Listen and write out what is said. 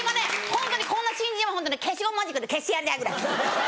ホントにこんな新人はホントね消しゴムマジックで消してやりたいぐらい。